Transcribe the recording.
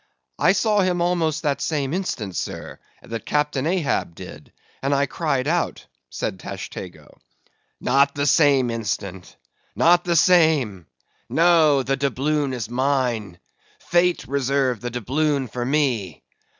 "I saw him almost that same instant, sir, that Captain Ahab did, and I cried out," said Tashtego. "Not the same instant; not the same—no, the doubloon is mine, Fate reserved the doubloon for me.